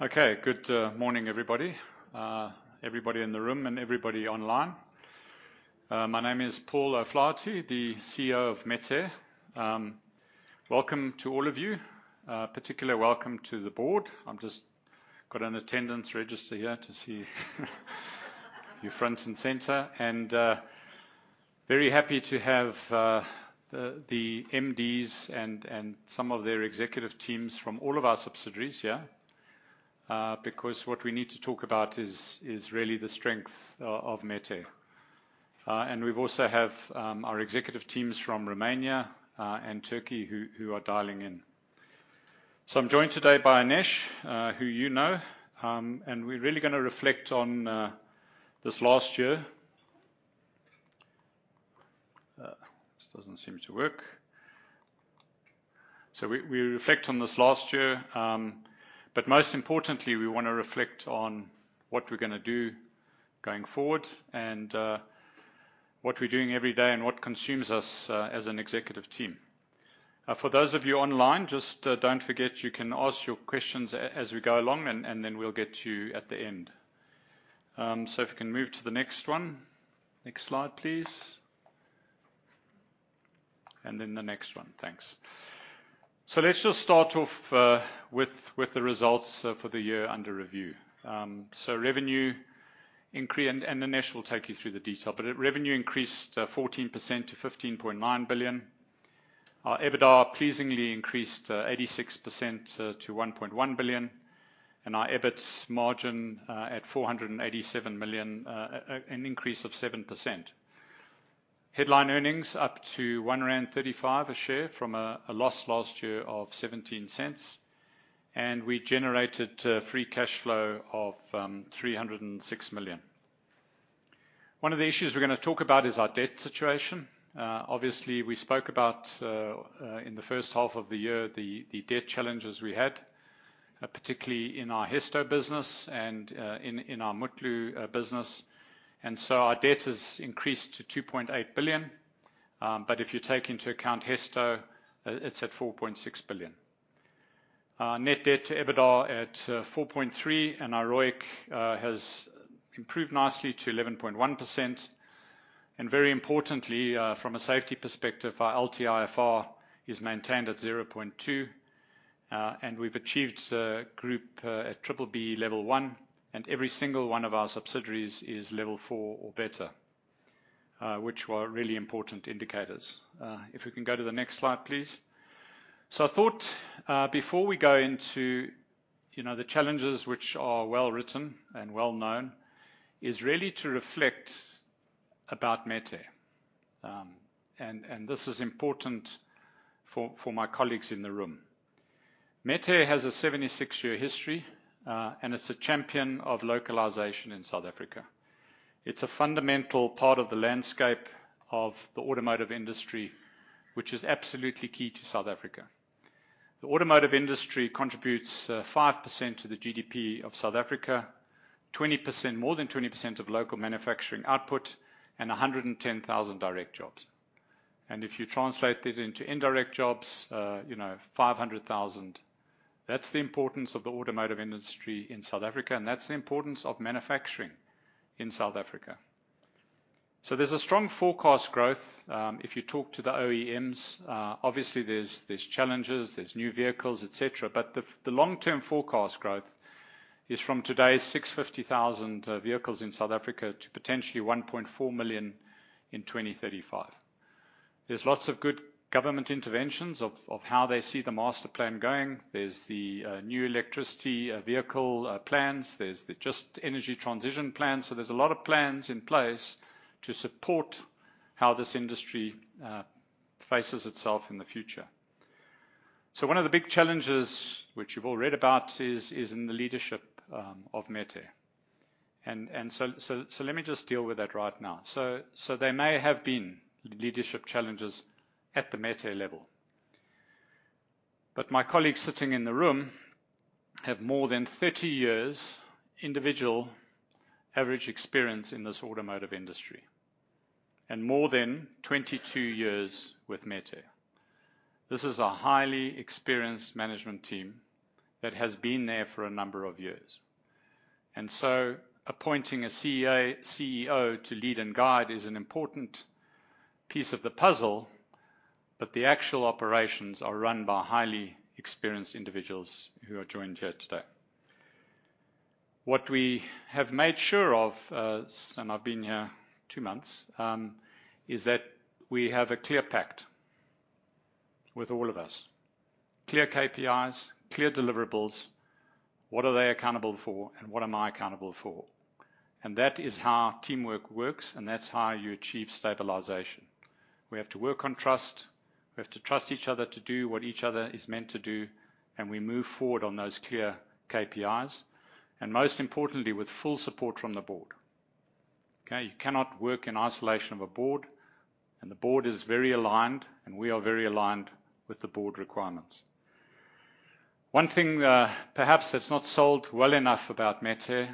Good morning, everybody. Everybody in the room and everybody online. My name is Paul O'Flaherty, the CEO of Metair. Welcome to all of you. Particular welcome to the board. I've just got an attendance register here to see you front and center. Very happy to have the MDs and some of their executive teams from all of our subsidiaries here, because what we need to talk about is really the strength of Metair. We've also have our executive teams from Romania and Turkey who are dialing in. I'm joined today by Anesh, who you know. We're really going to reflect on this last year. This doesn't seem to work. We reflect on this last year, but most importantly, we want to reflect on what we're going to do going forward and what we're doing every day and what consumes us as an executive team. For those of you online, just don't forget, you can ask your questions as we go along, and then we'll get to you at the end. If we can move to the next one, next slide, please. The next one. Thanks. Let's just start off with the results for the year under review. Revenue increase, Anesh will take you through the detail, but revenue increased 14% to 15.9 billion. Our EBITDA pleasingly increased 86% to 1.1 billion, our EBIT margin at 487 million, an increase of 7%. Headline earnings up to 1.35 rand a share from a loss last year of 0.17. We generated free cash flow of 306 million. One of the issues we're going to talk about is our debt situation. Obviously, we spoke about, in the first half of the year, the debt challenges we had, particularly in our Hesto business and in our Mutlu business. Our debt has increased to 2.8 billion. But if you take into account Hesto, it's at 4.6 billion. Our net debt to EBITDA at 4.3, our ROIC has improved nicely to 11.1%. Very importantly, from a safety perspective, our LTIFR is maintained at 0.2. We've achieved group at B-BBEE level one, and every single one of our subsidiaries is level 4 or better, which were really important indicators. If we can go to the next slide, please. I thought, before we go into the challenges which are well-written and well-known, is really to reflect about Metair. This is important for my colleagues in the room. Metair has a 76-year history, and it's a champion of localization in South Africa. It's a fundamental part of the landscape of the automotive industry, which is absolutely key to South Africa. The automotive industry contributes 5% to the GDP of South Africa, more than 20% of local manufacturing output, and 110,000 direct jobs. If you translate it into indirect jobs, 500,000. That's the importance of the automotive industry in South Africa, and that's the importance of manufacturing in South Africa. There's a strong forecast growth. If you talk to the OEMs, obviously, there's challenges, there's new vehicles, et cetera, but the long-term forecast growth is from today's 650,000 vehicles in South Africa to potentially 1.4 million in 2035. There's lots of good government interventions of how they see the master plan going. There's the new electricity vehicle plans. There's the Just Energy Transition plan. There's a lot of plans in place to support how this industry faces itself in the future. One of the big challenges, which you've all read about, is in the leadership of Metair. Let me just deal with that right now. There may have been leadership challenges at the Metair level, but my colleagues sitting in the room have more than 30 years individual average experience in this automotive industry and more than 22 years with Metair. This is a highly experienced management team that has been there for a number of years. Appointing a CEO to lead and guide is an important piece of the puzzle, but the actual operations are run by highly experienced individuals who are joined here today. What we have made sure of, and I've been here two months, is that we have a clear pact with all of us, clear KPIs, clear deliverables, what are they accountable for, and what am I accountable for? That is how teamwork works, and that's how you achieve stabilization. We have to work on trust. We have to trust each other to do what each other is meant to do, and we move forward on those clear KPIs, and most importantly, with full support from the board. Okay? You cannot work in isolation of a board, and the board is very aligned, and we are very aligned with the board requirements. One thing perhaps that's not sold well enough about Metair,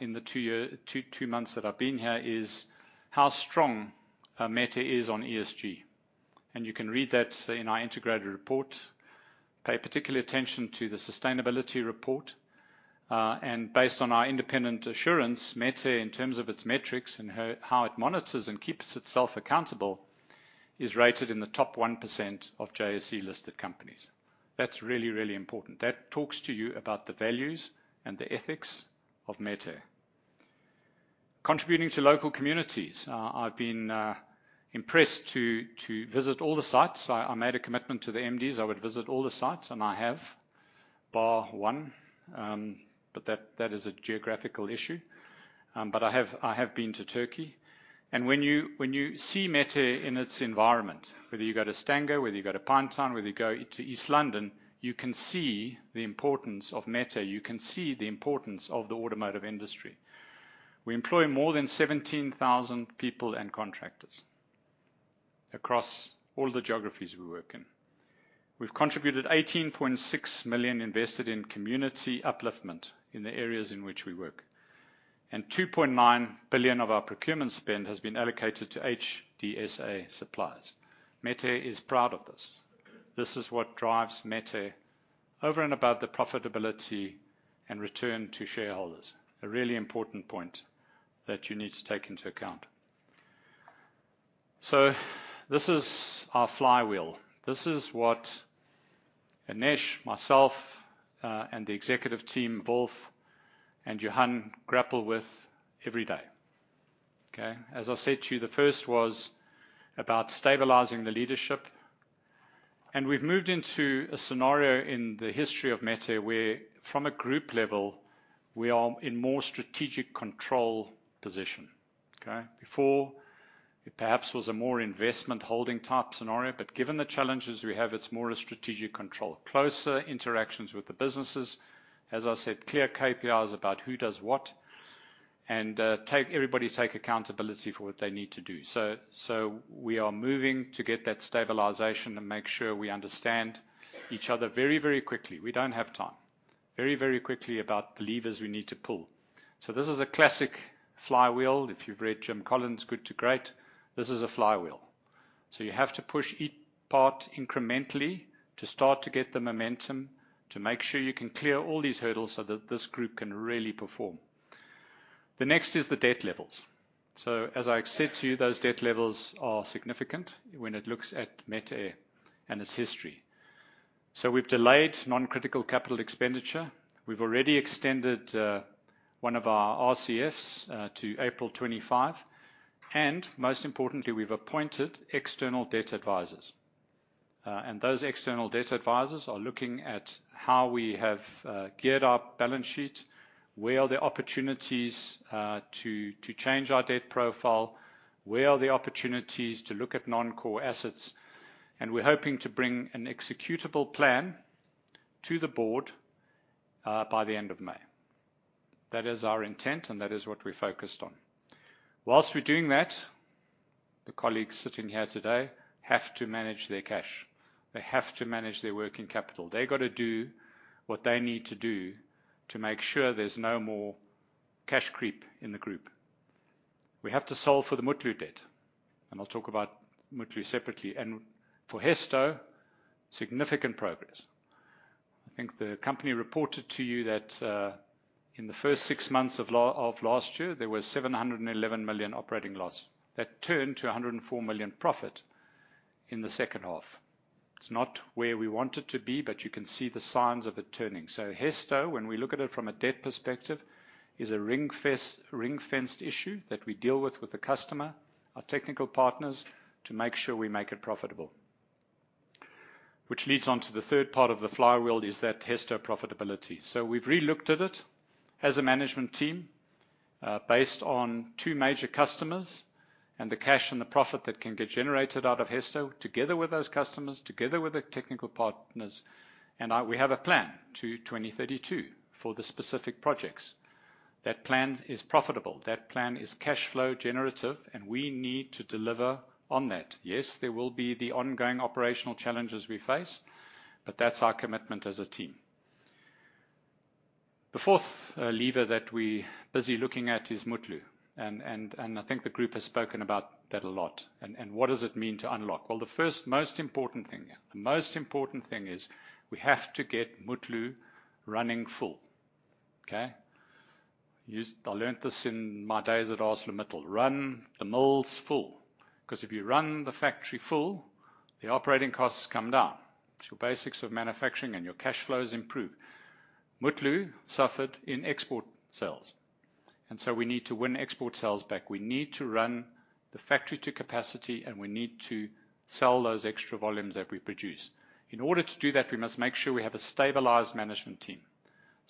in the two months that I've been here, is how strong Metair is on ESG. And you can read that in our integrated report. Pay particular attention to the sustainability report, Based on our independent assurance, Metair, in terms of its metrics and how it monitors and keeps itself accountable, is rated in the top 1% of JSE listed companies. That's really, really important. That talks to you about the values and the ethics of Metair. Contributing to local communities. I've been impressed to visit all the sites. I made a commitment to the MDs I would visit all the sites, and I have, bar one, but that is a geographical issue. I have been to Turkey. When you see Metair in its environment, whether you go to Stanger, whether you go to Paarden Eiland, whether you go to East London, you can see the importance of Metair, you can see the importance of the automotive industry. We employ more than 17,000 people and contractors across all the geographies we work in. We've contributed 18.6 million invested in community upliftment in the areas in which we work. 2.9 billion of our procurement spend has been allocated to HDSA suppliers. Metair is proud of this. This is what drives Metair over and above the profitability and return to shareholders. A really important point that you need to take into account. This is our flywheel. This is what Anesh, myself, and the executive team, Wolf and Johan, grapple with every day. Okay? As I said to you, the first was about stabilizing the leadership. We've moved into a scenario in the history of Metair where, from a group level, we are in more strategic control position. Okay? Before it perhaps was a more investment holding type scenario, but given the challenges we have, it's more a strategic control. Closer interactions with the businesses. As I said, clear KPIs about who does what, and everybody take accountability for what they need to do. We are moving to get that stabilization and make sure we understand each other very, very quickly. We don't have time. Very, very quickly about the levers we need to pull. This is a classic flywheel. If you've read Jim Collins' "Good to Great," this is a flywheel. You have to push each part incrementally to start to get the momentum, to make sure you can clear all these hurdles so that this group can really perform. The next is the debt levels. As I said to you, those debt levels are significant when it looks at Metair and its history. We've delayed non-critical capital expenditure. We've already extended one of our RCFs to April 2025, and most importantly, we've appointed external debt advisors. Those external debt advisors are looking at how we have geared our balance sheet. Where are the opportunities to change our debt profile? Where are the opportunities to look at non-core assets? We're hoping to bring an executable plan to the board by the end of May. That is our intent, and that is what we're focused on. Whilst we're doing that, the colleagues sitting here today have to manage their cash. They have to manage their working capital. They got to do what they need to do to make sure there's no more cash creep in the group. We have to solve for the Mutlu debt, and I'll talk about Mutlu separately. For Hesto, significant progress. I think the company reported to you that in the first six months of last year, there was 711 million operating loss. That turned to 104 million profit in the second half. It's not where we want it to be, but you can see the signs of it turning. Hesto, when we look at it from a debt perspective, is a ring-fenced issue that we deal with with the customer, our technical partners, to make sure we make it profitable. Which leads on to the third part of the flywheel, is that Hesto profitability. We've re-looked at it as a management team, based on two major customers and the cash and the profit that can get generated out of Hesto together with those customers, together with the technical partners, and we have a plan to 2032 for the specific projects. That plan is profitable, that plan is cash flow generative, and we need to deliver on that. Yes, there will be the ongoing operational challenges we face, but that's our commitment as a team. The fourth lever that we busy looking at is Mutlu, and I think the group has spoken about that a lot, and what does it mean to unlock? The first most important thing here, the most important thing is we have to get Mutlu running full. Okay? I learnt this in my days at ArcelorMittal. Run the mills full. If you run the factory full, the operating costs come down. It's your basics of manufacturing and your cash flows improve. Mutlu suffered in export sales, we need to win export sales back. We need to run the factory to capacity, and we need to sell those extra volumes that we produce. In order to do that, we must make sure we have a stabilized management team.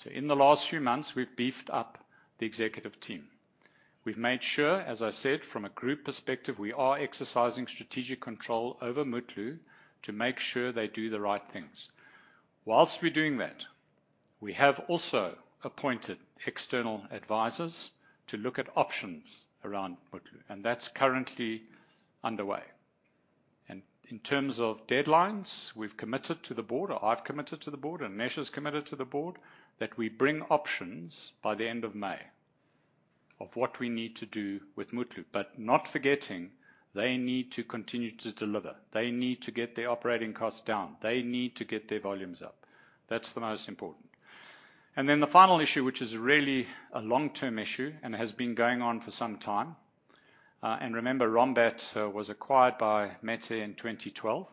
In the last few months, we have beefed up the executive team. We have made sure, as I said, from a group perspective, we are exercising strategic control over Mutlu to make sure they do the right things. Whilst we are doing that, we have also appointed external advisors to look at options around Mutlu, and that is currently underway. In terms of deadlines, we have committed to the board, or I have committed to the board, Anesh has committed to the board, that we bring options by the end of May of what we need to do with Mutlu, but not forgetting they need to continue to deliver. They need to get their operating costs down. They need to get their volumes up. That is the most important. The final issue, which is really a long-term issue and has been going on for some time, and remember, Rombat was acquired by Metair in 2012,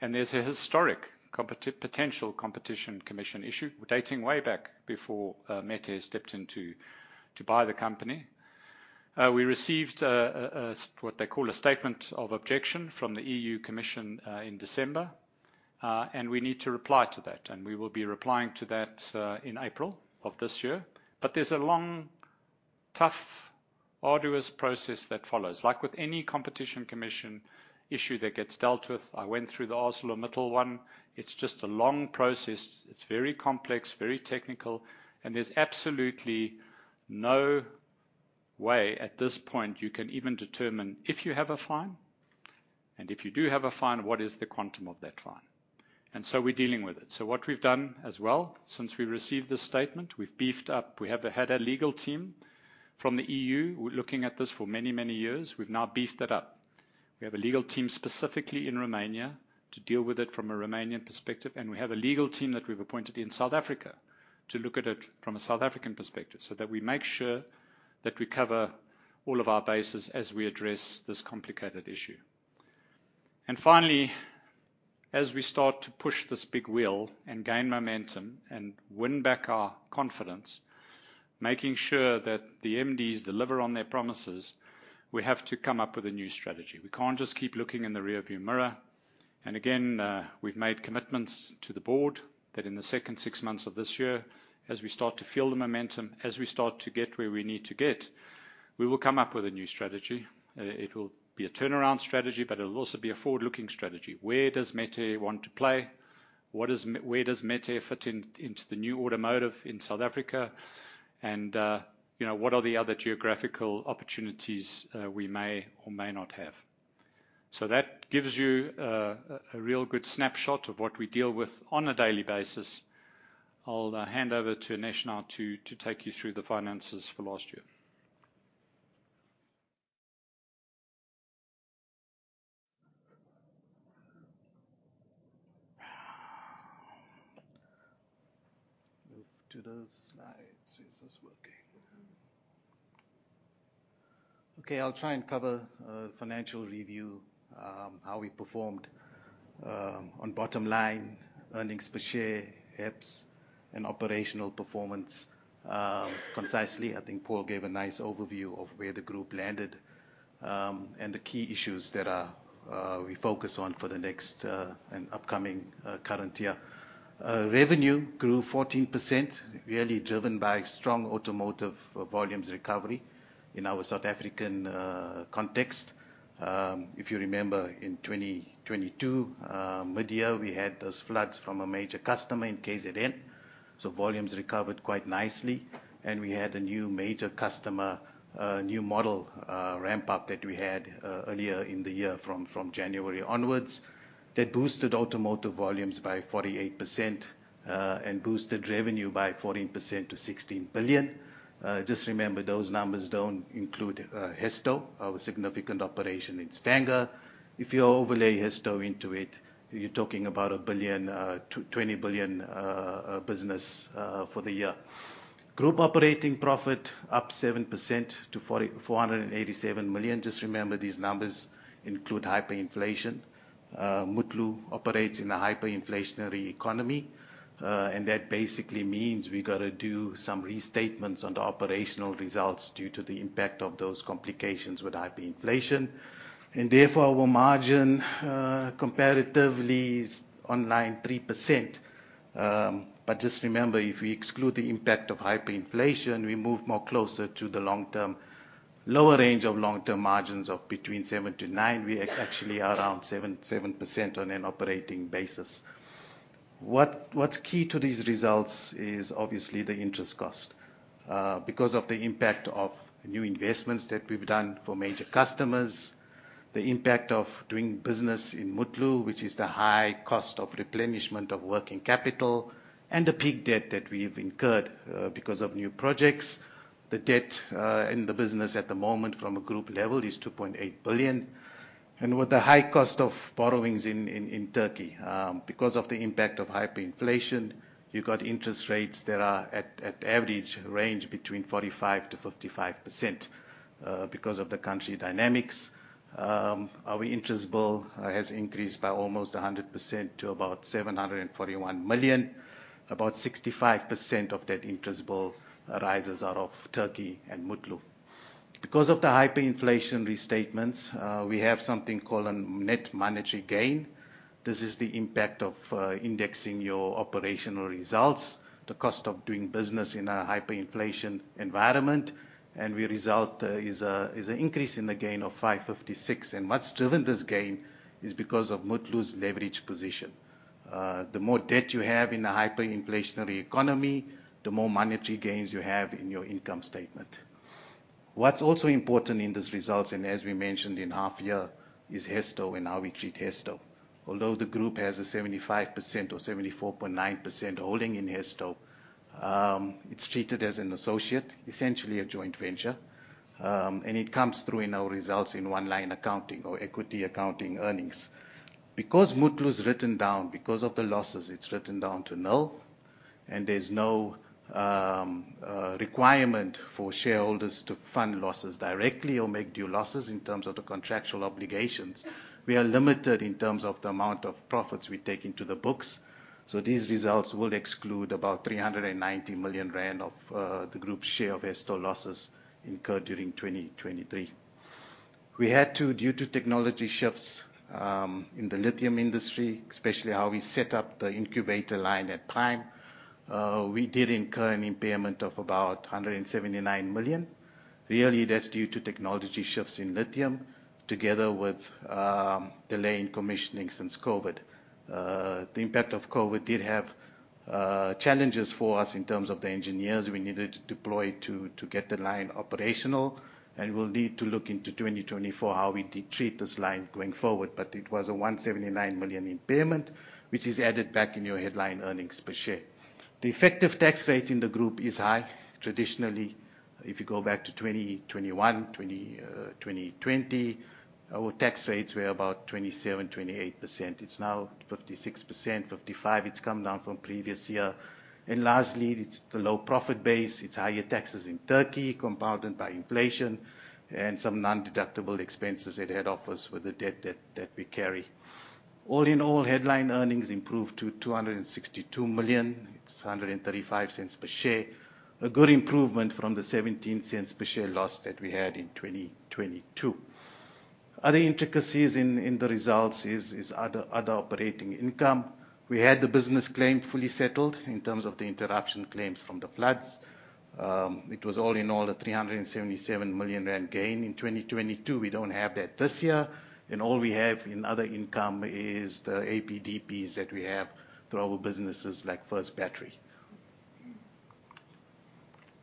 and there is a historic potential competition commission issue dating way back before Metair stepped in to buy the company. We received what they call a statement of objection from the EU Commission in December, and we need to reply to that, and we will be replying to that in April of this year. But there is a long, tough, arduous process that follows. Like with any competition commission issue that gets dealt with, I went through the ArcelorMittal one, it is just a long process. It is very complex, very technical, and there is absolutely no way at this point you can even determine if you have a fine, and if you do have a fine, what is the quantum of that fine? We are dealing with it. What we have done as well since we received this statement, we have beefed up. We have had a legal team from the EU looking at this for many, many years. We have now beefed that up. We have a legal team specifically in Romania to deal with it from a Romanian perspective, and we have a legal team that we have appointed in South Africa to look at it from a South African perspective, so that we make sure that we cover all of our bases as we address this complicated issue. Finally, as we start to push this big wheel and gain momentum and win back our confidence, making sure that the MDs deliver on their promises, we have to come up with a new strategy. We cannot just keep looking in the rearview mirror. Again, we have made commitments to the board that in the second six months of this year, as we start to feel the momentum, as we start to get where we need to get, we will come up with a new strategy. It will be a turnaround strategy, but it will also be a forward-looking strategy. Where does Metair want to play? Where does Metair fit into the new automotive in South Africa? What are the other geographical opportunities we may or may not have? That gives you a real good snapshot of what we deal with on a daily basis. I will hand over to Anesh to take you through the finances for last year. Move to the slides. Is this working? Okay, I'll try and cover a financial review, how we performed on bottom line earnings per share, EPS, and operational performance. Concisely, I think Paul gave a nice overview of where the group landed, and the key issues that we focus on for the next and upcoming current year. Revenue grew 14%, really driven by strong automotive volumes recovery in our South African context. If you remember in 2022, mid-year, we had those floods from a major customer in KZN, so volumes recovered quite nicely. We had a new major customer, a new model ramp-up that we had earlier in the year from January onwards that boosted automotive volumes by 48%, and boosted revenue by 14% to 16 billion. Just remember, those numbers don't include Hesto, our significant operation in Stanger. If you overlay Hesto into it, you're talking about a 20 billion business for the year. Group operating profit up 7% to 487 million. Just remember, these numbers include hyperinflation. Mutlu operates in a hyperinflationary economy, that basically means we got to do some restatements on the operational results due to the impact of those complications with hyperinflation. Therefore, our margin comparatively is online 3%. Just remember, if we exclude the impact of hyperinflation, we move more closer to the long-term, lower range of long-term margins of between 7%-9%. We are actually around 7% on an operating basis. What's key to these results is obviously the interest cost. Because of the impact of new investments that we've done for major customers, the impact of doing business in Mutlu, which is the high cost of replenishment of working capital, and the peak debt that we've incurred because of new projects. The debt in the business at the moment from a group level is 2.8 billion. With the high cost of borrowings in Turkey, because of the impact of hyperinflation, you got interest rates that are at average range between 45%-55%. Because of the country dynamics, our interest bill has increased by almost 100% to about 741 million. About 65% of that interest bill arises out of Turkey and Mutlu. Because of the hyperinflation restatements, we have something called a net monetary gain. This is the impact of indexing your operational results, the cost of doing business in a hyperinflation environment, and the result is an increase in the gain of 556 million. What's driven this gain is because of Mutlu's leverage position. The more debt you have in a hyperinflationary economy, the more monetary gains you have in your income statement. What's also important in these results, and as we mentioned in half year, is Hesto and how we treat Hesto. Although the group has a 75% or 74.9% holding in Hesto, it's treated as an associate, essentially a joint venture. It comes through in our results in one line accounting or equity accounting earnings. Because Mutlu is written down, because of the losses, it's written down to nil, and there's no requirement for shareholders to fund losses directly or make due losses in terms of the contractual obligations. We are limited in terms of the amount of profits we take into the books. These results will exclude about 390 million rand of the group's share of Hesto losses incurred during 2023. We had to, due to technology shifts in the lithium industry, especially how we set up the incubator line at time, we did incur an impairment of about 179 million. Really, that's due to technology shifts in lithium together with delay in commissioning since COVID. The impact of COVID did have challenges for us in terms of the engineers we needed to deploy to get the line operational, and we'll need to look into 2024 how we treat this line going forward. But it was a 179 million impairment, which is added back in your headline earnings per share. The effective tax rate in the group is high. Traditionally, if you go back to 2021, 2020, our tax rates were about 27%, 28%. It's now 56%, 55%. It's come down from previous year, and largely it's the low profit base. It's higher taxes in Turkey, compounded by inflation and some non-deductible expenses at head office with the debt that we carry. All in all, headline earnings improved to 262 million. It's 1.35 per share. A good improvement from the 0.17 per share loss that we had in 2022. Other intricacies in the results is other operating income. We had the business claim fully settled in terms of the interruption claims from the floods. It was all in all a 377 million rand gain in 2022. We don't have that this year, and all we have in other income is the APDPs that we have through our businesses like First Battery.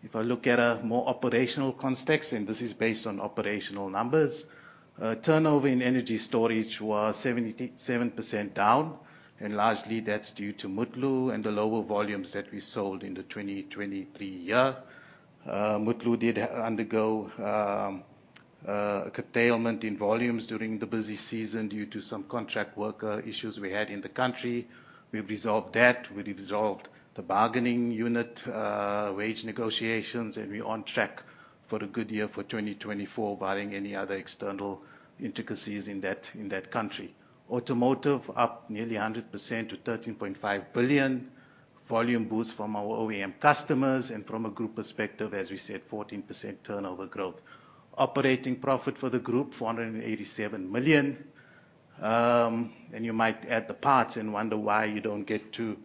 If I look at a more operational context, this is based on operational numbers, turnover in energy storage was 77% down, and largely that's due to Mutlu and the lower volumes that we sold in the 2023 year. Mutlu did undergo a curtailment in volumes during the busy season due to some contract worker issues we had in the country. We've resolved that. We've resolved the bargaining unit, wage negotiations, and we're on track for a good year for 2024, barring any other external intricacies in that country. Automotive up nearly 100% to 13.5 billion. Volume boost from our OEM customers, and from a group perspective, as we said, 14% turnover growth. Operating profit for the group, 487 million. You might add the parts and wonder why you don't get to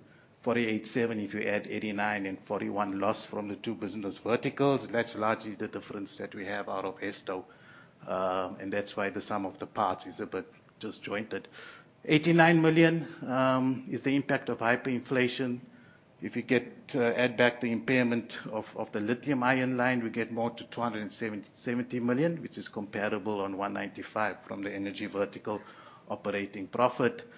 487 million if you add 89 million and 41 million loss from the two business verticals. That's largely the difference that we have out of Hesto. That's why the sum of the parts is a bit disjointed. 89 million is the impact of hyperinflation. If you add back the impairment of the lithium ion line, we get more to 270 million, which is comparable on 195 million from the energy vertical operating profit.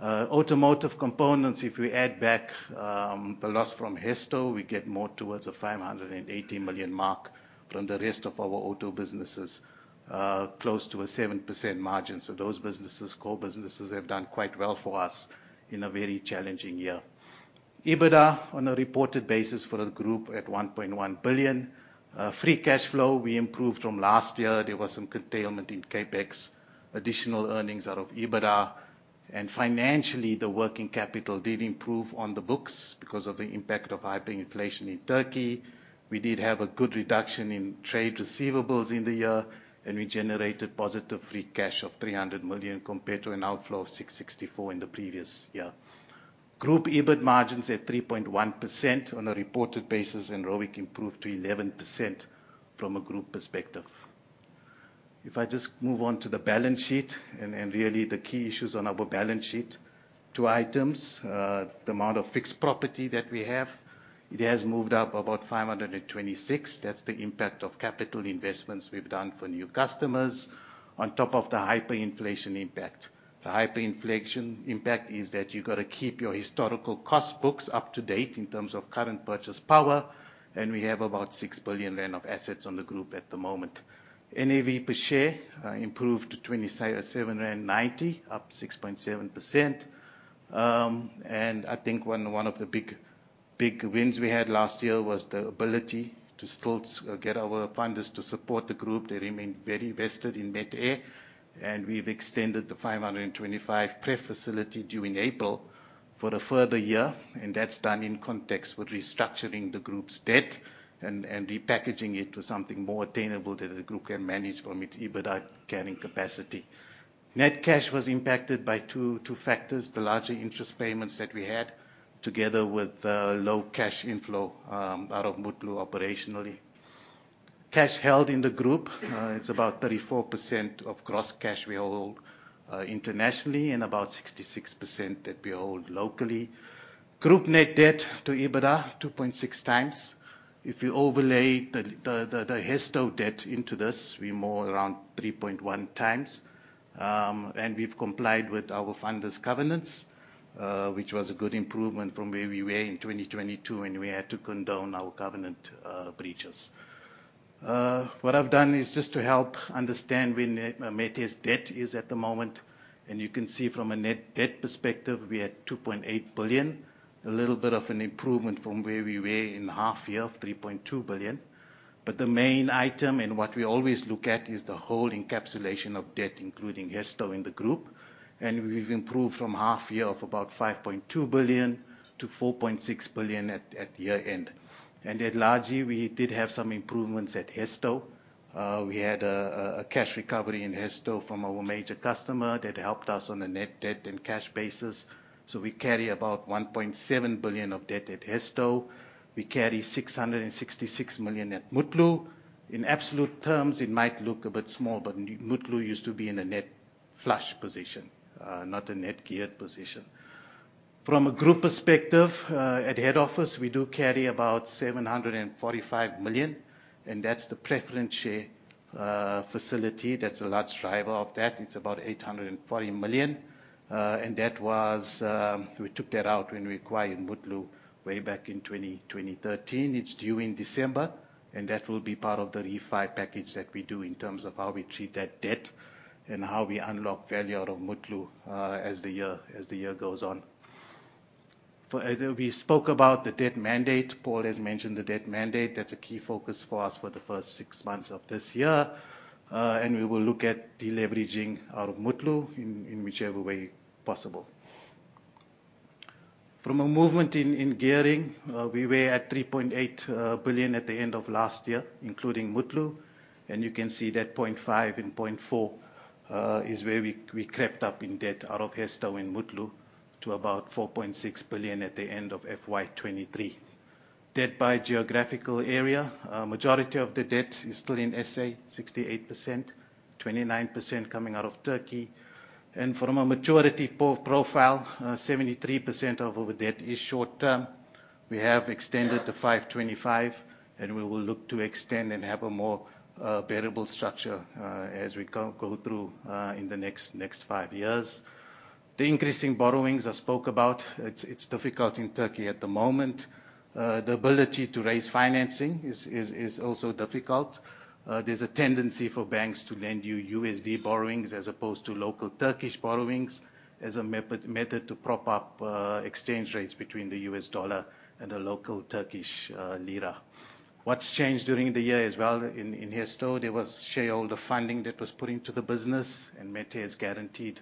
Automotive components, if we add back the loss from Hesto, we get more towards a 580 million mark from the rest of our auto businesses, close to a 7% margin. Those businesses, core businesses, have done quite well for us in a very challenging year. EBITDA on a reported basis for the group at 1.1 billion. Free cash flow, we improved from last year. There was some curtailment in CapEx, additional earnings out of EBITDA. Financially, the working capital did improve on the books because of the impact of hyperinflation in Turkey. We did have a good reduction in trade receivables in the year, and we generated positive free cash of 300 million compared to an outflow of 664 in the previous year. Group EBIT margins at 3.1% on a reported basis, and ROIC improved to 11% from a group perspective. If I just move on to the balance sheet and really the key issues on our balance sheet. Two items. The amount of fixed property that we have, it has moved up about 526. That's the impact of capital investments we've done for new customers on top of the hyperinflation impact. The hyperinflation impact is that you've got to keep your historical cost books up to date in terms of current purchase power, we have about 6 billion rand of assets on the group at the moment. NAV per share improved to 27.90 rand, up 6.7%. I think one of the big wins we had last year was the ability to still get our funders to support the group. They remain very vested in Metair, and we've extended the 525 pref facility due in April for a further year, and that's done in context with restructuring the group's debt and repackaging it to something more attainable that the group can manage from its EBITDA carrying capacity. Net cash was impacted by two factors, the larger interest payments that we had together with low cash inflow out of Mutlu operationally. Cash held in the group, it's about 34% of gross cash we hold internationally and about 66% that we hold locally. Group net debt to EBITDA 2.6 times. If you overlay the Hesto debt into this, we're more around 3.1 times. We've complied with our funders' covenants, which was a good improvement from where we were in 2022 when we had to condone our covenant breaches. What I've done is just to help understand where Metair's debt is at the moment, and you can see from a net debt perspective, we're at 2.8 billion. A little bit of an improvement from where we were in the half year of 3.2 billion. The main item, and what we always look at, is the whole encapsulation of debt, including Hesto in the group. We've improved from half year of about 5.2 billion to 4.6 billion at year-end. Largely, we did have some improvements at Hesto. We had a cash recovery in Hesto from our major customer that helped us on a net debt and cash basis. We carry about 1.7 billion of debt at Hesto. We carry 666 million at Mutlu. In absolute terms, it might look a bit small, but Mutlu used to be in a net flush position, not a net geared position. From a group perspective, at head office, we do carry about 745 million, and that's the preference share facility that's a large driver of that. It's about 840 million. We took that out when we acquired Mutlu way back in 2013. It is due in December, that will be part of the refi package that we do in terms of how we treat that debt and how we unlock value out of Mutlu, as the year goes on. We spoke about the debt mandate. Paul has mentioned the debt mandate. That is a key focus for us for the first six months of this year. We will look at deleveraging out of Mutlu in whichever way possible. From a movement in gearing, we were at 3.8 billion at the end of last year, including Mutlu. You can see that 0.5 billion and 0.4 billion is where we crept up in debt out of Hesto and Mutlu to about 4.6 billion at the end of FY 2023. Debt by geographical area. Majority of the debt is still in SA, 68%, 29% coming out of Turkey. From a maturity profile, 73% of our debt is short term. We have extended to 2025, we will look to extend and have a more bearable structure, as we go through, in the next five years. The increasing borrowings I spoke about, it is difficult in Turkey at the moment. The ability to raise financing is also difficult. There is a tendency for banks to lend you USD borrowings as opposed to local Turkish borrowings as a method to prop up, exchange rates between the U.S. dollar and the local Turkish lira. What's changed during the year as well, in Hesto, there was shareholder funding that was put into the business, and Metair's guaranteed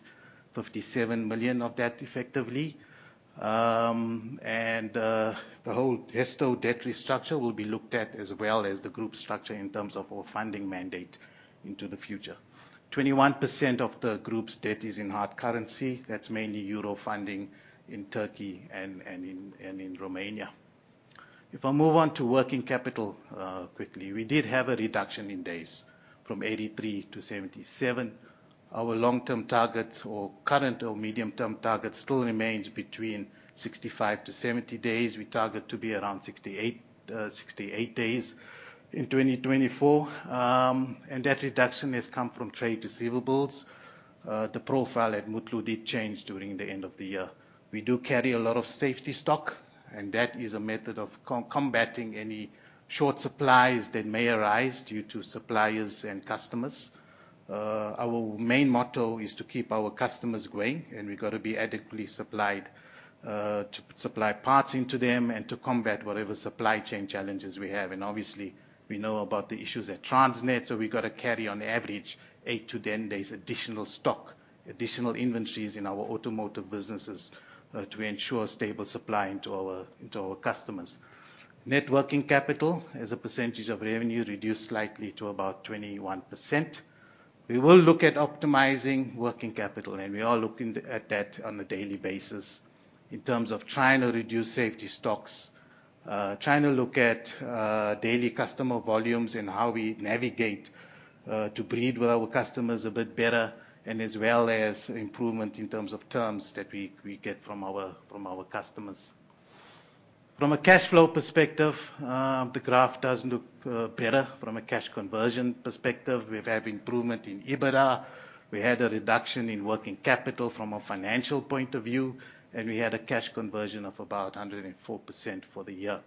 57 million of that effectively. The whole Hesto debt restructure will be looked at as well as the group structure in terms of our funding mandate into the future. 21% of the group's debt is in hard currency. That is mainly EUR funding in Turkey and in Romania. If I move on to working capital, quickly. We did have a reduction in days from 83 to 77. Our long-term targets or current or medium-term targets still remains between 65 to 70 days. We target to be around 68 days in 2024. That reduction has come from trade receivables. The profile at Mutlu did change during the end of the year. We do carry a lot of safety stock, that is a method of combating any short supplies that may arise due to suppliers and customers. Our main motto is to keep our customers going, we've got to be adequately supplied, to supply parts into them and to combat whatever supply chain challenges we have. Obviously, we know about the issues at Transnet, we've got to carry on average eight to 10 days additional stock, additional inventories in our automotive businesses, to ensure stable supply into our customers. Net working capital as a percentage of revenue reduced slightly to about 21%. We will look at optimizing working capital, we are looking at that on a daily basis in terms of trying to reduce safety stocks, trying to look at daily customer volumes and how we navigate to breed with our customers a bit better and as well as improvement in terms of terms that we get from our customers. From a cash flow perspective, the graph does look better from a cash conversion perspective. We've had improvement in EBITDA. We had a reduction in working capital from a financial point of view, and we had a cash conversion of about 104% for the year.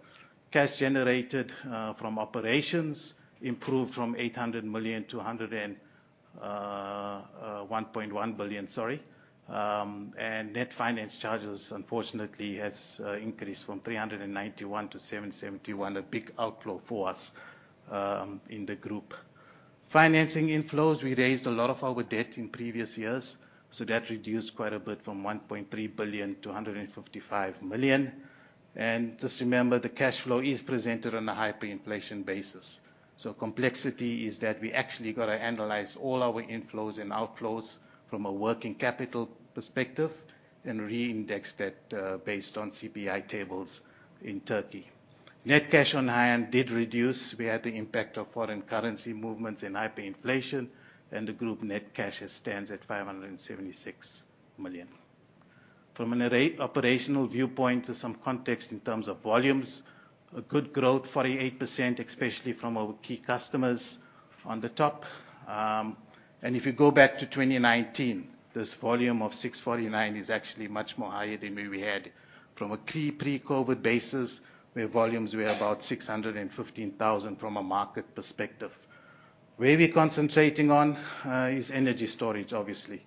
Cash generated from operations improved from 800 million to 1.1 billion, sorry. Net finance charges, unfortunately, has increased from 391 million to 771 million, a big outflow for us, in the group. Financing inflows, we raised a lot of our debt in previous years, that reduced quite a bit from 1.3 billion to 155 million. Just remember, the cash flow is presented on a hyperinflation basis. Complexity is that we actually got to analyze all our inflows and outflows from a working capital perspective, then reindex that, based on CPI tables in Turkey. Net cash on hand did reduce. We had the impact of foreign currency movements and hyperinflation, and the group net cash stands at 576 million. From an operational viewpoint to some context in terms of volumes, a good growth, 48%, especially from our key customers on the top. If you go back to 2019, this volume of 649,000 is actually much more higher than where we had from a pre-COVID basis, where volumes were about 615,000 from a market perspective. Where we're concentrating on is energy storage, obviously.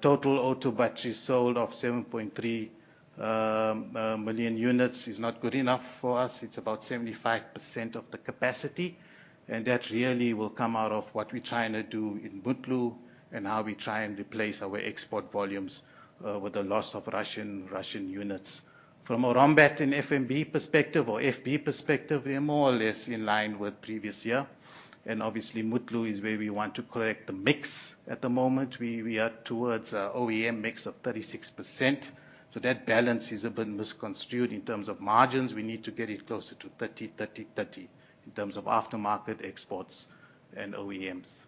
Total auto batteries sold of 7.3 million units is not good enough for us. It's about 75% of the capacity, and that really will come out of what we're trying to do in Mutlu and how we try and replace our export volumes with the loss of Russian units. From a Rombat and First Battery perspective or First Battery perspective, we are more or less in line with previous year. Obviously Mutlu is where we want to correct the mix at the moment. We are towards an OEM mix of 36%. That balance is a bit misconstrued in terms of margins. We need to get it closer to 30, 30 in terms of aftermarket exports and OEMs.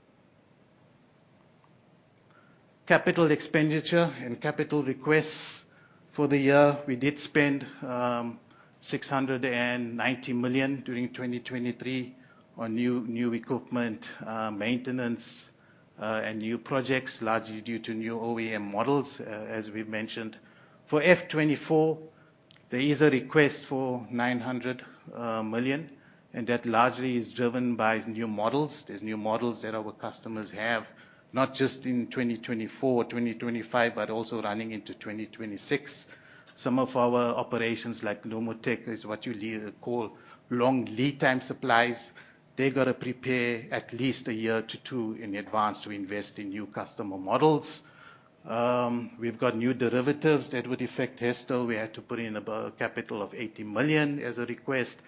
Capital expenditure and capital requests for the year. We did spend 690 million during 2023 on new equipment, maintenance, and new projects, largely due to new OEM models as we mentioned. For FY 2024, there is a request for 900 million, that largely is driven by new models. There's new models that our customers have, not just in 2024, 2025, but also running into 2026. Some of our operations, like Lomotec, is what you call long lead time supplies. They got to prepare at least a year to two in advance to invest in new customer models. We've got new derivatives that would affect Hesto. We had to put in about capital of 80 million as a request.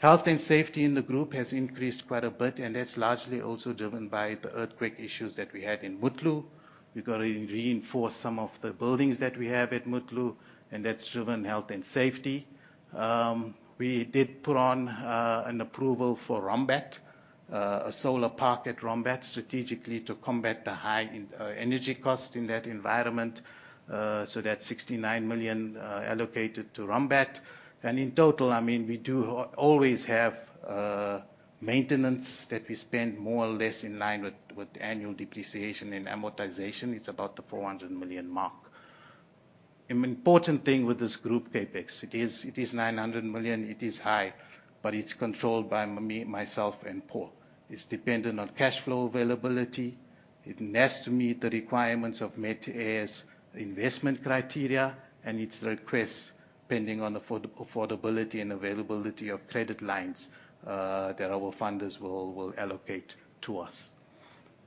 Health and safety in the group has increased quite a bit, that's largely also driven by the earthquake issues that we had in Mutlu. We've got to reinforce some of the buildings that we have at Mutlu, that's driven health and safety. We did put on an approval for Rombat, a solar park at Rombat, strategically to combat the high energy cost in that environment. That's 69 million allocated to Rombat. In total, we do always have maintenance that we spend more or less in line with annual depreciation and amortization. It's about the 400 million mark. An important thing with this group CapEx, it is 900 million. It is high, but it's controlled by myself and Paul. It's dependent on cash flow availability. It has to meet the requirements of Metair's investment criteria, and it's a request pending on affordability and availability of credit lines that our funders will allocate to us.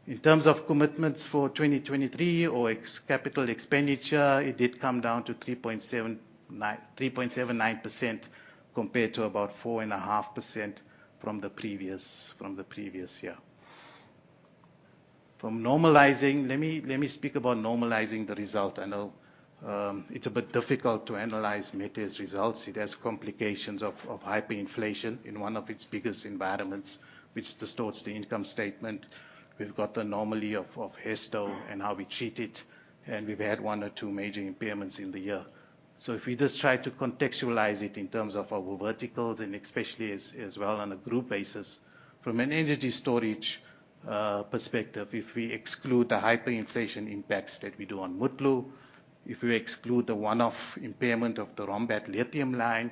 In terms of commitments for 2023 or capital expenditure, it did come down to 3.79% compared to about 4.5% from the previous year. From normalizing, let me speak about normalizing the result. I know it's a bit difficult to analyze Metair's results. It has complications of hyperinflation in one of its biggest environments, which distorts the income statement. We've got the anomaly of Hesto and how we treat it, and we've had one or two major impairments in the year. If we just try to contextualize it in terms of our verticals and especially as well on a group basis, from an energy storage perspective, if we exclude the hyperinflation impacts that we do on Mutlu, if we exclude the one-off impairment of the Rombat lithium line,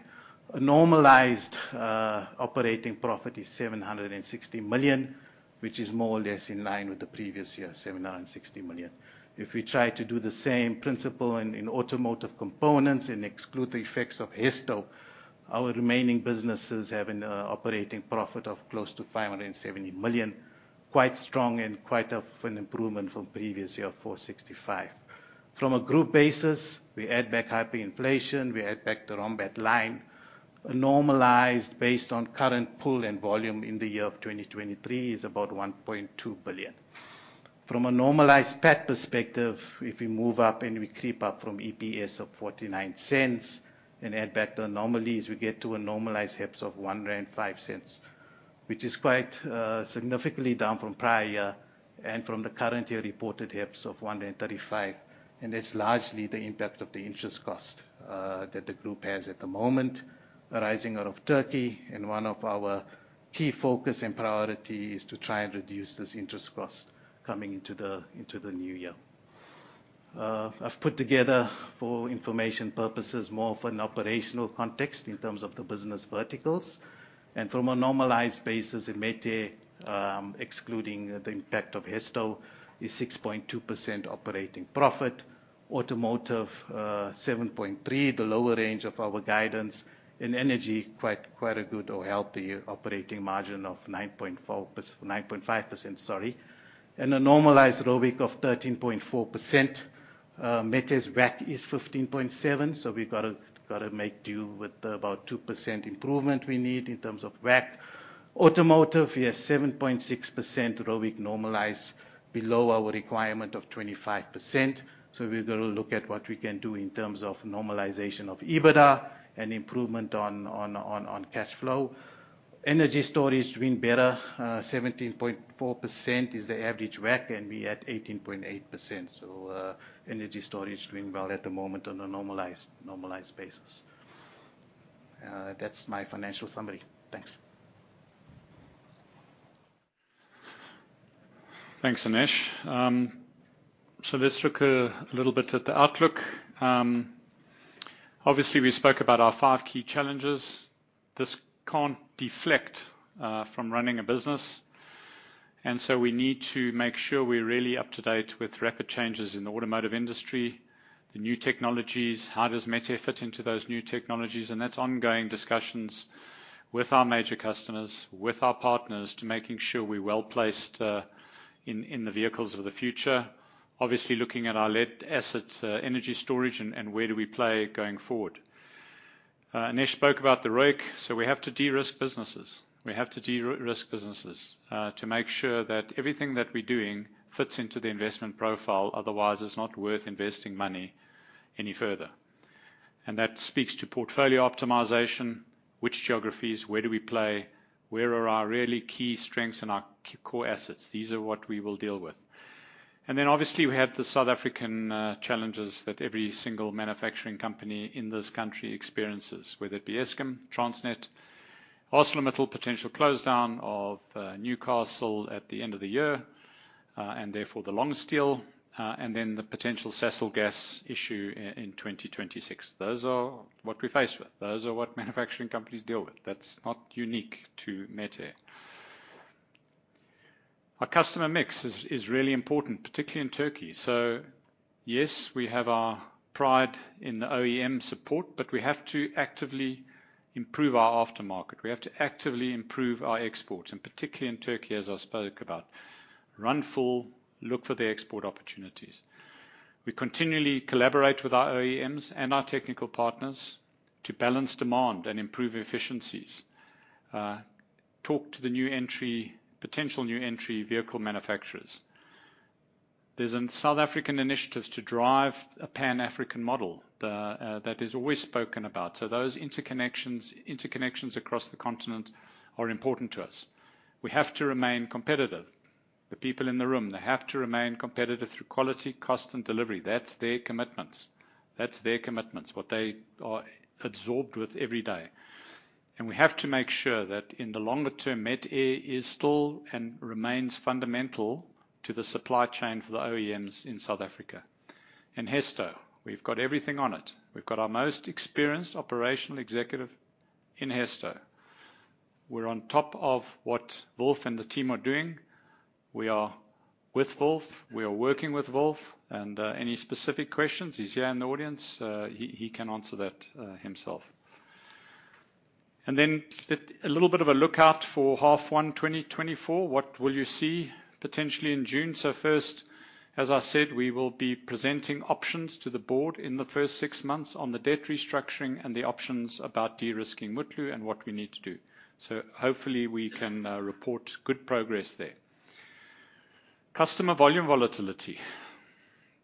a normalized operating profit is 760 million, which is more or less in line with the previous year, 760 million. If we try to do the same principle in automotive components and exclude the effects of Hesto, our remaining businesses have an operating profit of close to 570 million, quite strong and quite an improvement from previous year, 465 million. From a group basis, we add back hyperinflation, we add back the Rombat line, normalized based on current pull and volume in the year of 2023 is about 1.2 billion. From a normalized PAT perspective, if we move up and we creep up from EPS of 0.49 and add back the anomalies, we get to a normalized HEPS of 1.05 rand, which is quite significantly down from prior year and from the current year reported HEPS of 1.35. That's largely the impact of the interest cost that the group has at the moment arising out of Turkey, and one of our key focus and priority is to try and reduce this interest cost coming into the new year. I've put together for information purposes more of an operational context in terms of the business verticals, and from a normalized basis in Metair, excluding the impact of Hesto, is 6.2% operating profit. Automotive 7.3%, the lower range of our guidance. In energy, quite a good or healthy operating margin of 9.5%, sorry. A normalized ROIC of 13.4%. Metair's WACC is 15.7%, so we've got to make do with about 2% improvement we need in terms of WACC. Automotive, we are 7.6% ROIC normalized, below our requirement of 25%, so we've got to look at what we can do in terms of normalization of EBITDA and improvement on cash flow. Energy storage is doing better. 17.4% is the average WACC, and we at 18.8%. Energy storage is doing well at the moment on a normalized basis. That's my financial summary. Thanks. Thanks, Anesh. Let's look a little bit at the outlook. Obviously, we spoke about our five key challenges. This can't deflect from running a business. We need to make sure we're really up to date with rapid changes in the automotive industry, the new technologies, how does Metair fit into those new technologies. That's ongoing discussions with our major customers, with our partners to making sure we're well-placed in the vehicles of the future. Obviously, looking at our lead assets, energy storage. Where do we play going forward? Anesh spoke about the ROIC. We have to de-risk businesses. We have to de-risk businesses to make sure that everything that we're doing fits into the investment profile, otherwise it's not worth investing money any further. That speaks to portfolio optimization, which geographies, where do we play, where are our really key strengths and our core assets? These are what we will deal with. Obviously, we have the South African challenges that every single manufacturing company in this country experiences, whether it be Eskom, Transnet, ArcelorMittal potential close down of Newcastle at the end of the year, and therefore the long steel, and then the potential Sasol gas issue in 2026. Those are what we face with. Those are what manufacturing companies deal with. That's not unique to Metair. Our customer mix is really important, particularly in Turkey. Yes, we have our pride in the OEM support. We have to actively improve our aftermarket. We have to actively improve our exports, and particularly in Turkey, as I spoke about. Run full, look for the export opportunities. We continually collaborate with our OEMs and our technical partners to balance demand and improve efficiencies, talk to the potential new entry vehicle manufacturers. There's South African initiatives to drive a Pan-African model that is always spoken about. Those interconnections across the continent are important to us. We have to remain competitive. The people in the room, they have to remain competitive through quality, cost, and delivery. That's their commitments. That's their commitments, what they are absorbed with every day. We have to make sure that in the longer term, Metair is still and remains fundamental to the supply chain for the OEMs in South Africa. In Hesto, we've got everything on it. We've got our most experienced operational executive in Hesto. We're on top of what Wolf and the team are doing. We are with Wolf. We are working with Wolf. Any specific questions, he's here in the audience, he can answer that himself. A little bit of a lookout for half one 2024, what will you see potentially in June? First, as I said, we will be presenting options to the board in the first six months on the debt restructuring and the options about de-risking Mutlu and what we need to do. Hopefully, we can report good progress there. Customer volume volatility.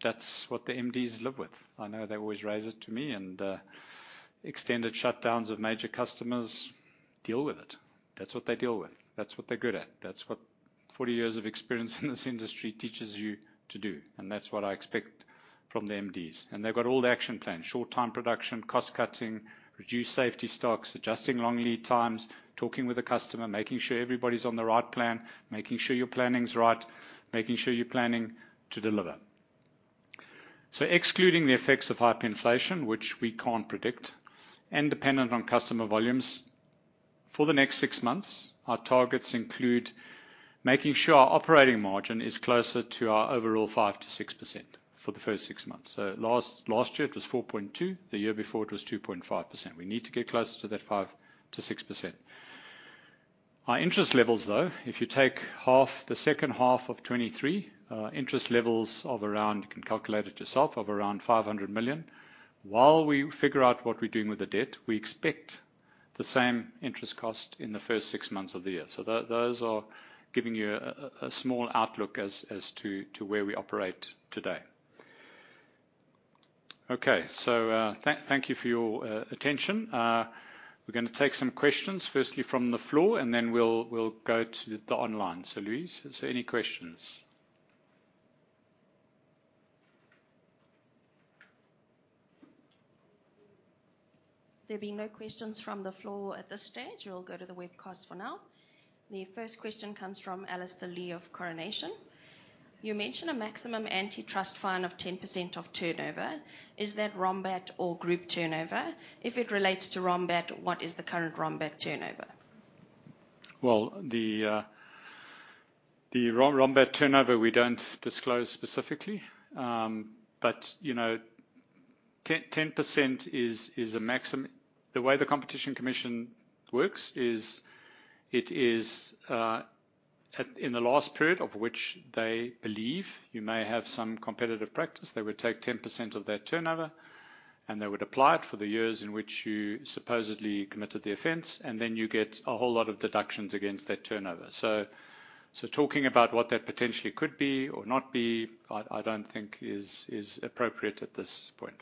That's what the MDs live with. I know they always raise it to me and extended shutdowns of major customers deal with it. That's what they deal with. That's what they're good at. That's what 40 years of experience in this industry teaches you to do, and that's what I expect from the MDs. They've got all the action plans, short-time production, cost-cutting, reduced safety stocks, adjusting long lead times, talking with the customer, making sure everybody's on the right plan, making sure your planning's right, making sure you're planning to deliver. Excluding the effects of hyperinflation, which we can't predict, and dependent on customer volumes, for the next six months, our targets include making sure our operating margin is closer to our overall 5%-6% for the first six months. Last year it was 4.2%, the year before it was 2.5%. We need to get closer to that 5%-6%. Our interest levels, though, if you take the second half of 2023, interest levels of around, you can calculate it yourself, of around 500 million. While we figure out what we're doing with the debt, we expect the same interest cost in the first six months of the year. Those are giving you a small outlook as to where we operate today. Okay. Thank you for your attention. We're going to take some questions, firstly from the floor, and then we'll go to the online. Louise, are there any questions? There being no questions from the floor at this stage, we'll go to the webcast for now. The first question comes from Alistair Lea of Coronation. You mentioned a maximum antitrust fine of 10% of turnover. Is that Rombat or group turnover? If it relates to Rombat, what is the current Rombat turnover? The Rombat turnover, we don't disclose specifically. The way the Competition Commission works is it is in the last period of which they believe you may have some competitive practice, they would take 10% of that turnover, and they would apply it for the years in which you supposedly committed the offense, and then you get a whole lot of deductions against that turnover. Talking about what that potentially could be or not be, I don't think is appropriate at this point.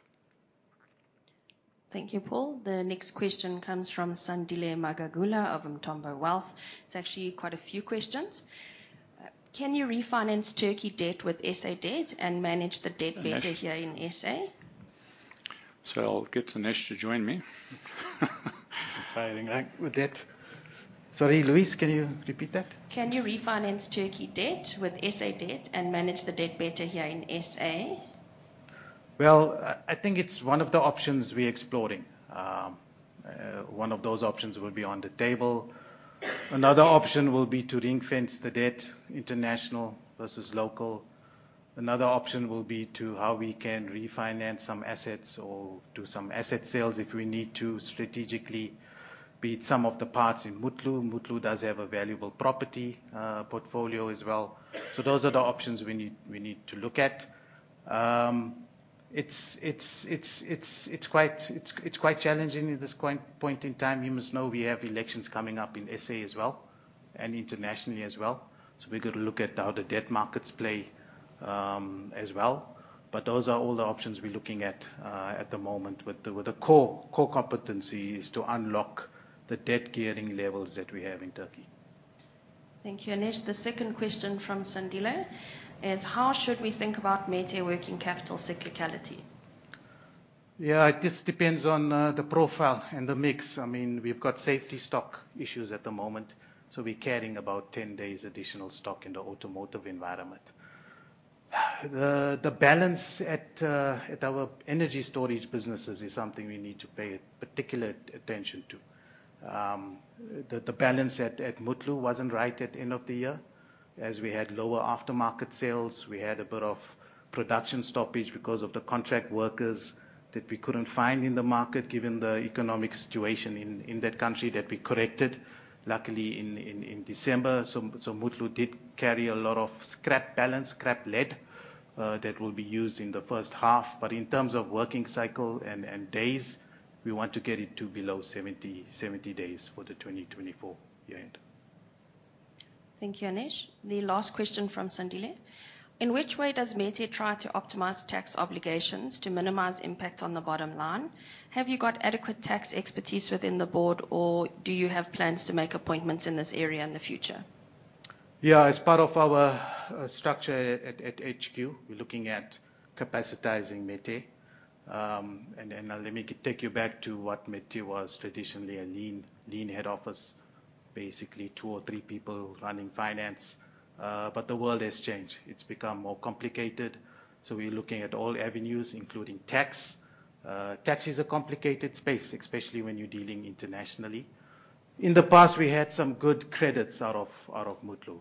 Thank you, Paul. The next question comes from Sandile Magagula of Umthombo Wealth. It's actually quite a few questions. Can you refinance Turkey debt with SA debt and manage the debt better here in SA? I'll get Aneesh to join me. Fighting back with debt. Sorry, Louise, can you repeat that? Can you refinance Turkey debt with SA debt and manage the debt better here in SA? Well, I think it's one of the options we're exploring. One of those options will be on the table. Another option will be to ring-fence the debt, international versus local. Another option will be to how we can refinance some assets or do some asset sales if we need to strategically beat some of the parts in Mutlu. Mutlu does have a valuable property portfolio as well. Those are the options we need to look at. It's quite challenging at this point in time. You must know we have elections coming up in SA as well, and internationally as well. We've got to look at how the debt markets play as well. Those are all the options we're looking at at the moment, with the core competency is to unlock the debt gearing levels that we have in Turkey. Thank you, Aneesh. The second question from Sandile is, how should we think about Metair working capital cyclicality? Yeah. It just depends on the profile and the mix. We've got safety stock issues at the moment, we're carrying about 10 days additional stock in the automotive environment. The balance at our energy storage businesses is something we need to pay particular attention to. The balance at Mutlu wasn't right at end of the year, as we had lower aftermarket sales. We had a bit of production stoppage because of the contract workers that we couldn't find in the market, given the economic situation in that country, that we corrected, luckily, in December. Mutlu did carry a lot of scrap balance, scrap lead, that will be used in the first half. In terms of working cycle and days, we want to get it to below 70 days for the 2024 year end. Thank you, Aneesh. The last question from Sandile. In which way does Metair try to optimize tax obligations to minimize impact on the bottom line? Have you got adequate tax expertise within the board, or do you have plans to make appointments in this area in the future? Yeah. As part of our structure at HQ, we're looking at capacitating Metair. Now, let me take you back to what Metair was traditionally, a lean head office. Basically, two or three people running finance. The world has changed. It's become more complicated, we're looking at all avenues, including tax. Tax is a complicated space, especially when you're dealing internationally. In the past, we had some good credits out of Mutlu.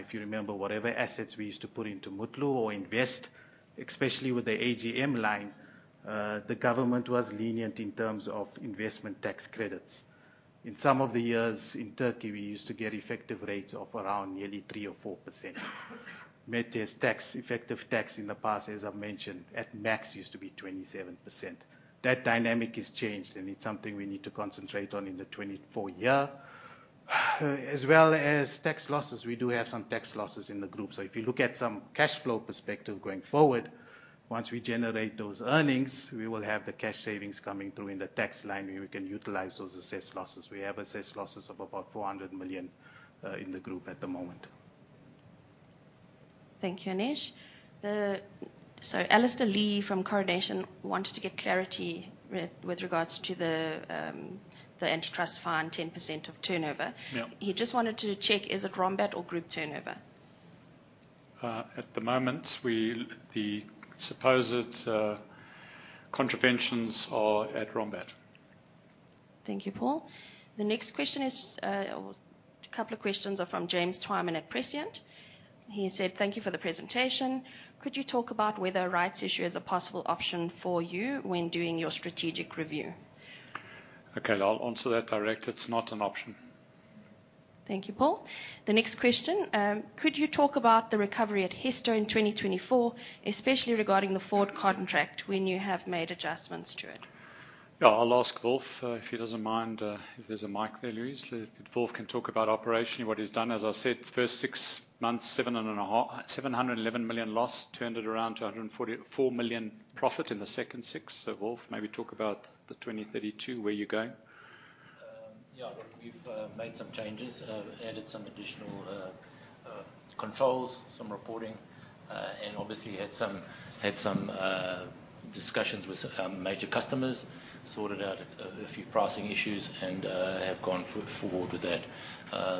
If you remember, whatever assets we used to put into Mutlu or invest, especially with the AGM line, the government was lenient in terms of investment tax credits. In some of the years in Turkey, we used to get effective rates of around nearly 3% or 4%. Metair's effective tax in the past, as I've mentioned, at max used to be 27%. That dynamic has changed, and it's something we need to concentrate on in the 2024 year. As well as tax losses, we do have some tax losses in the group. If you look at some cash flow perspective going forward, once we generate those earnings, we will have the cash savings coming through in the tax line where we can utilize those assessed losses. We have assessed losses of about 400 million in the group at the moment. Thank you, Anesh. Alistair Lee from Coronation wanted to get clarity with regards to the antitrust fine, 10% of turnover. Yeah. He just wanted to check, is it Rombat or group turnover? At the moment, the supposed contraventions are at Rombat. Thank you, Paul. The next question, or a couple of questions, are from James Twyman at Prescient. He said, "Thank you for the presentation. Could you talk about whether rights issue is a possible option for you when doing your strategic review? Okay. I'll answer that direct. It's not an option. Thank you, Paul. The next question. Could you talk about the recovery at Hesto in 2024, especially regarding the Ford contract, when you have made adjustments to it? I'll ask Wolf, if he doesn't mind. If there's a mic there, Louise. Wolf can talk about operationally what he's done. As I said, the first six months, 711 million loss. Turned it around to 144 million profit in the second six. Wolf, maybe talk about the 2032, where you're going. Yeah. Look, we've made some changes. Added some additional controls, some reporting, and obviously had some discussions with some major customers, sorted out a few pricing issues, and have gone forward with that.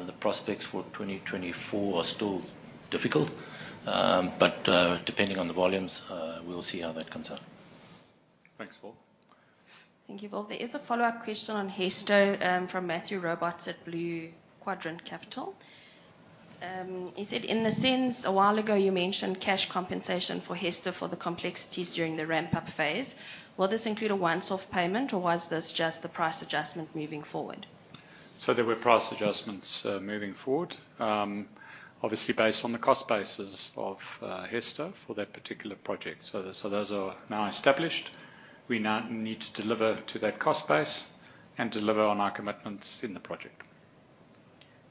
The prospects for 2024 are still difficult. Depending on the volumes, we'll see how that comes out. Thanks, Wolf. Thank you, Wolf. There is a follow-up question on Hesto, from Matthew Roberts at Blue Quadrant Capital. He said, in the sense a while ago you mentioned cash compensation for Hesto for the complexities during the ramp-up phase. Will this include a once-off payment, or was this just the price adjustment moving forward? There were price adjustments moving forward. Obviously, based on the cost bases of Hesto for that particular project. Those are now established. We now need to deliver to that cost base and deliver on our commitments in the project.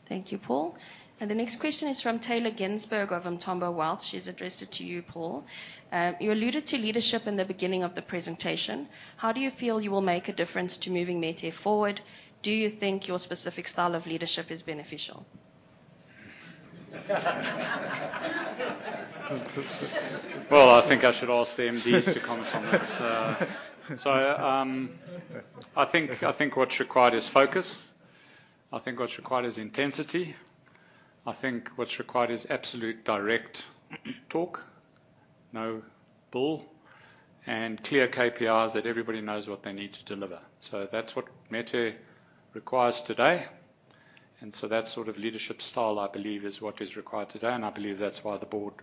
Thank you, Paul. The next question is from Tayla Ginsberg of Umtambo Wealth. She's addressed it to you, Paul. You alluded to leadership in the beginning of the presentation. How do you feel you will make a difference to moving Metair forward? Do you think your specific style of leadership is beneficial? Well, I think I should ask the MDs to comment on that. I think what's required is focus. I think what's required is intensity. I think what's required is absolute direct talk, no bull, and clear KPIs that everybody knows what they need to deliver. That's what Metair requires today, that sort of leadership style, I believe, is what is required today, and I believe that's why the board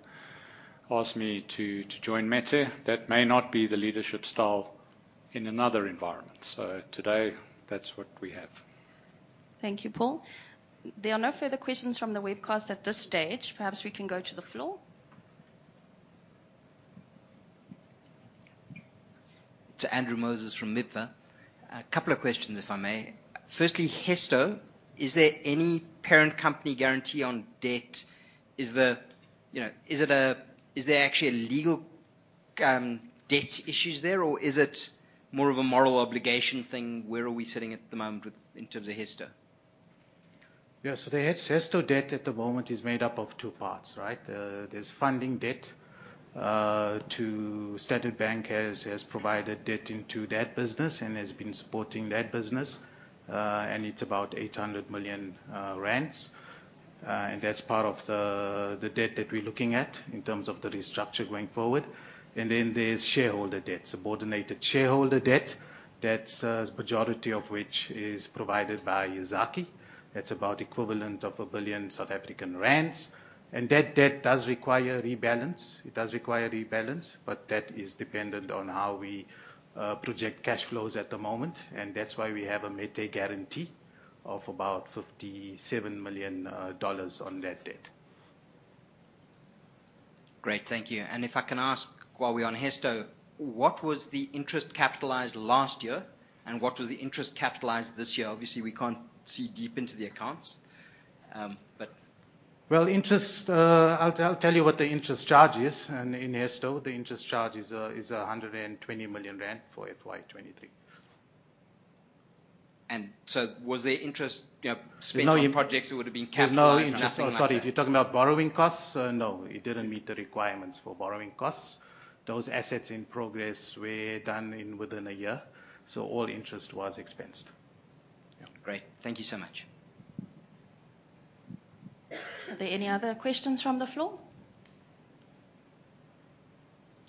asked me to join Metair. That may not be the leadership style in another environment. Today, that's what we have. Thank you, Paul. There are no further questions from the webcast at this stage. Perhaps we can go to the floor. It's Andrew Moses from Mipha. A couple of questions, if I may. Hesto. Is there any parent company guarantee on debt? Is there actually legal debt issues there, or is it more of a moral obligation thing? Where are we sitting at the moment in terms of Hesto? Yeah. The Hesto debt at the moment is made up of two parts, right? There's funding debt to Standard Bank has provided debt into that business and has been supporting that business, and it's about 800 million rand. That's part of the debt that we're looking at in terms of the restructure going forward. There's shareholder debt, subordinated shareholder debt. That's a majority of which is provided by Yazaki. That's about equivalent of 1 billion South African rand. That debt does require rebalance, but that is dependent on how we project cash flows at the moment, and that's why we have a Metair guarantee of about ZAR 57 million on that debt. Great. Thank you. If I can ask, while we're on Hesto, what was the interest capitalized last year, and what was the interest capitalized this year? Obviously, we can't see deep into the accounts. Well, I'll tell you what the interest charge is. In Hesto, the interest charge is 120 million rand for FY 2023. Was there interest spent on projects that would've been capitalized or nothing like that? There's no interest. Oh, sorry. If you're talking about borrowing costs, no. It didn't meet the requirements for borrowing costs. Those assets in progress were done within a year, so all interest was expensed. Yeah. Great. Thank you so much. Are there any other questions from the floor?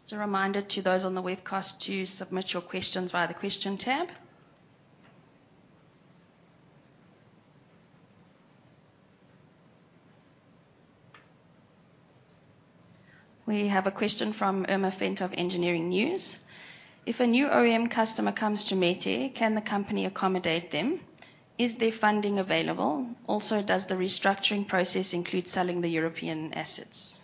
Just a reminder to those on the webcast to submit your questions via the Question tab. We have a question from Irma Venter of Engineering News. If a new OEM customer comes to Metair, can the company accommodate them? Is there funding available? Also, does the restructuring process include selling the European assets?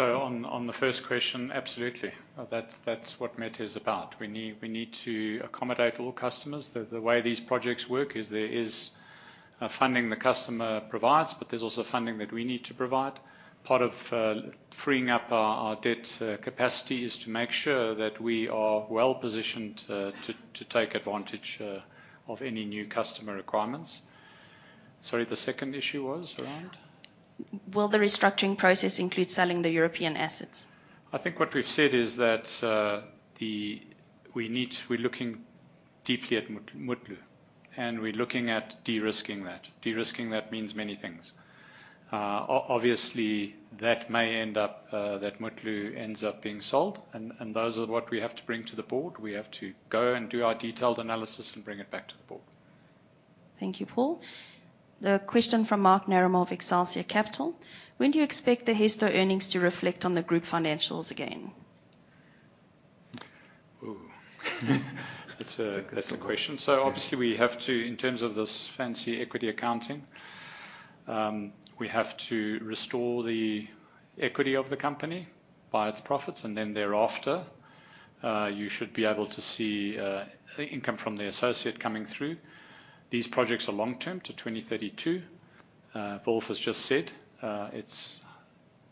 On the first question, absolutely. That's what Metair's about. We need to accommodate all customers. The way these projects work is there is funding the customer provides, but there's also funding that we need to provide. Part of freeing up our debt capacity is to make sure that we are well-positioned to take advantage of any new customer requirements. Sorry, the second issue was around? Will the restructuring process include selling the European assets? I think what we've said is that we're looking deeply at Mutlu, and we're looking at de-risking that. De-risking that means many things. Obviously, that may end up that Mutlu ends up being sold, and those are what we have to bring to the board. We have to go and do our detailed analysis and bring it back to the board. Thank you, Paul. The question from Mark Narramore of Excelsior Capital. When do you expect the Hesto earnings to reflect on the group financials again? Ooh. That's a question. Obviously, we have to, in terms of this fancy equity accounting, we have to restore the equity of the company by its profits, and then thereafter, you should be able to see income from the associate coming through. These projects are long-term, to 2032. Wolf has just said, it's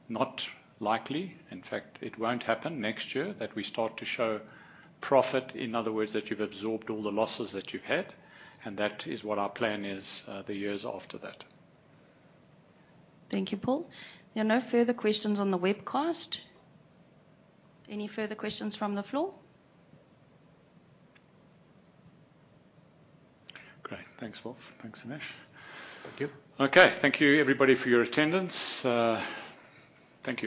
not likely. In fact, it won't happen next year that we start to show profit. In other words, that you've absorbed all the losses that you've had, and that is what our plan is the years after that. Thank you, Paul. There are no further questions on the webcast. Any further questions from the floor? Great. Thanks, Wolf. Thanks, Anesh. Thank you. Okay. Thank you, everybody, for your attendance. Thank you